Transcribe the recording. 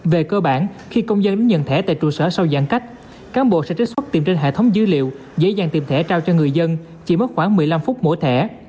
về cơ bản khi công dân đến nhận thẻ tại trụ sở sau giãn cách cán bộ sẽ trích xuất tìm trên hệ thống dữ liệu dễ dàng tìm thẻ trao cho người dân chỉ mất khoảng một mươi năm phút mỗi thẻ